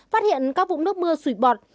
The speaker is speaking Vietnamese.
phát hiện các vụ nước mưa sủi bọt